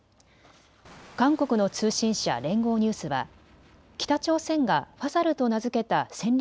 韓国の通信社、連合ニュースは北朝鮮がファサルと名付けた戦略